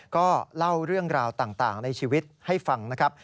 ก็เล่าเรื่องราวต่างในชีวิตให้ฟังนะครับ